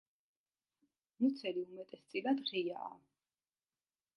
მუცელი უმეტესწილად ღიაა.